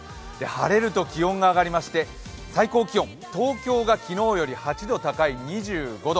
晴れると気温が上がりまして、最高気温東京が昨日より８度高い２５度。